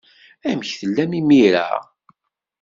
Amek tellam imir-a?